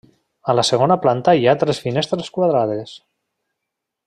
A la segona planta hi ha tres finestres quadrades.